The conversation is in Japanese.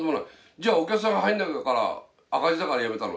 じゃあお客さんが入らないから赤字だからやめたの。